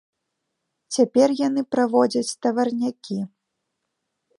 Цяпер яны праводзяць таварнякі.